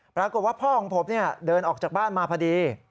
ปรากฏว่าพ่อของผมเดินออกจากบ้านมาพอดี